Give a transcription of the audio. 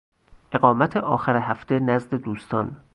اقامت آخر هفته نزد دوستان